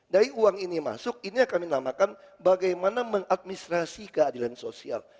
dari uang ini masuk ini yang kami namakan bagaimana mengadministrasi keadilan sosial